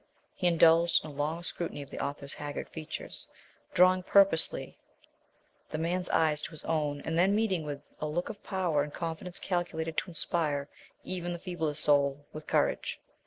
He indulged in a long scrutiny of the author's haggard features, drawing purposely the man's eyes to his own and then meeting them with a look of power and confidence calculated to inspire even the feeblest soul with courage.